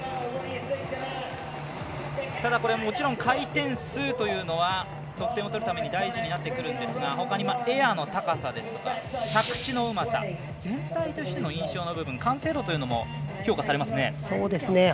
ただ、これはもちろん回転数というのは得点を取るために大事になってくるんですがほかにエアの高さですとか着地のうまさ全体としての印象の部分完成度というのも評価されますね。